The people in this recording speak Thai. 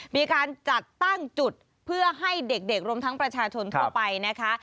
มีการจัดตั้งจุดเพื่อให้เด็กรวมทั้งประชาชนทั่วไปนะคะ